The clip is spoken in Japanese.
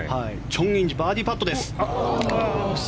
チョン・インジバーディーパットです。